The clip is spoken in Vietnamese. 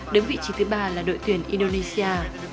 đứng vị trí thứ ba là đội tuyển indonesia